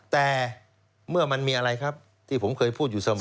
แต่เมื่อมันมีอะไรครับที่ผมเคยพูดอยู่เสมอ